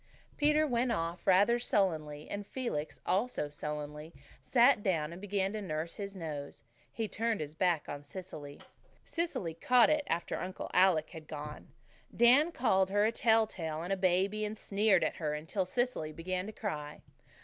Peter went off rather sullenly, and Felix, also sullenly, sat down and began to nurse his nose. He turned his back on Cecily. Cecily "caught it" after Uncle Alec had gone. Dan called her a tell tale and a baby, and sneered at her until Cecily began to cry.